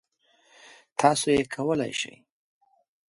تاسو یې کولای شی.